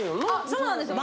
そうなんですよ。